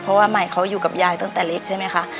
เพราะว่าใหม่เขาอยู่กับยายตั้งแต่เล็กใช่ไหมคะ